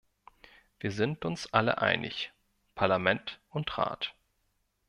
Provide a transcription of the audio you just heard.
Wir sind uns alle einig, Parlament und Rat.